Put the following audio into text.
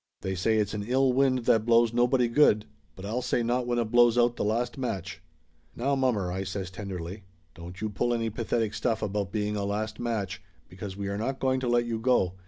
They say it's an ill wind that blows nobody good, but I'll say not when it blows out the last match !" "Now, mommer !" I says tenderly. "Don't you pull any pathetic stuff about being a last match, because we are not going to let you go.